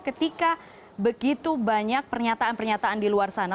ketika begitu banyak pernyataan pernyataan di luar sana